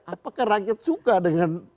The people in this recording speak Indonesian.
apakah rakyat suka dengan